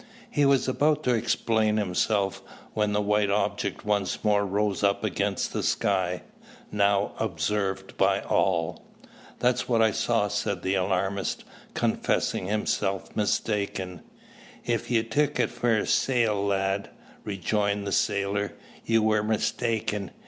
He was about to explain himself, when the white object once more rose up against the sky, now observed by all. "That's what I saw," said the alarmist, confessing himself mistaken. "If ye took it for a sail, lad," rejoined the sailor, "you war mistaken.